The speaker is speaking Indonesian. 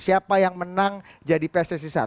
siapa yang menang jadi pssi satu